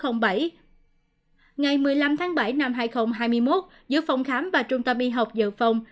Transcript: ngày một mươi năm tháng bảy năm hai nghìn hai mươi một giữa phòng khám và trung tâm y học dự phòng